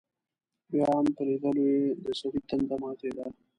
بیا هم په لیدلو یې دسړي تنده ماتېده.